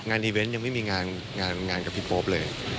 อีเวนต์ยังไม่มีงานกับพี่โป๊ปเลย